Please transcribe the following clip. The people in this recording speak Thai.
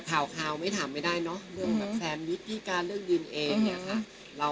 ข่าวไม่ถามไม่ได้เนอะเรื่องแบบแซนวิชพิการเรื่องยืนเองเนี่ยค่ะ